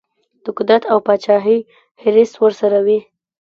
د قدرت او پاچهي حرص ورسره وي.